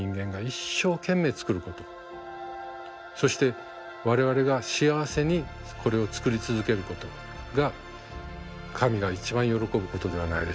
そして我々が幸せにこれを作り続けることが神が一番喜ぶことではないでしょうか。